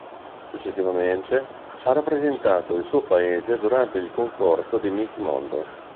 Successivamente ha rappresentato il suo paese durante il concorso di Miss Mondo.